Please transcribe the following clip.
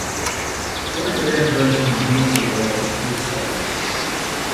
The lack of integration with Merseyrail was criticized.